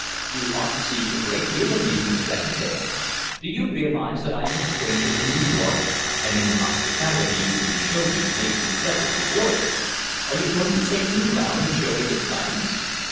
You ought to see a great deal of me, Miss Van Teyl. Do you realise that I am a stranger in New York, and any hospitality you can show me may be doubly rewarded? Are you going to take me round and show me the sights?"